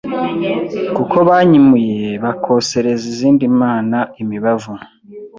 kuko banyimūye bakosereza izindi mana imibavu,